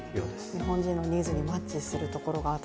日本人のニーズにマッチするところがあった。